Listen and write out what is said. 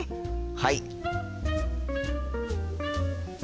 はい！